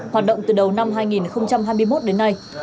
hoạt động từ đầu năm hai nghìn hai mươi một đến nay